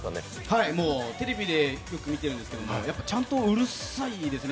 はい、もうテレビでよく見てるんですけども、やっぱ、ちゃんとうるさいですね